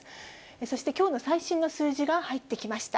そしてきょうの最新の数字が入ってきました。